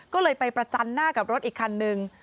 ก็เลยไปประจันหน้ากับรถอีกคันนึง